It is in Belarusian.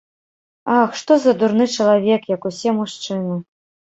Ах, што за дурны чалавек, як усе мужчыны.